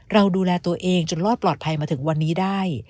เราดูแลตัวเองจนรอดปลอดภัยมาถึงวันนี้ได้